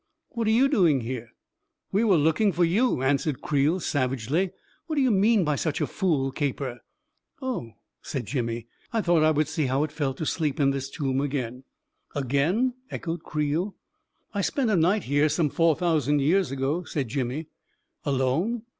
"What are you doing here ?" "We were looking for you," answered Creel savagely. "What do you mean by such a fool caper ?"" Oh," said Jimmy, " I thought I would see how it felt to sleep in this tomb again •.•" 320 A KING IN BABYLON "Again?" echoed Creel. " I spent a night here some four thousand years ago, 9 ' said Jimmy. "Alone?"